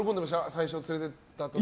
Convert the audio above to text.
最初に連れて行った時に。